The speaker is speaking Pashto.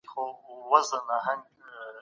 لیکل د معلوماتو په ساتلو کې تر اورېدلو غوره دي.